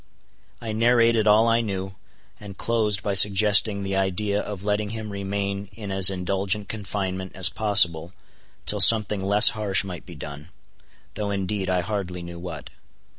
I narrated all I knew, and closed by suggesting the idea of letting him remain in as indulgent confinement as possible till something less harsh might be done—though indeed I hardly knew what.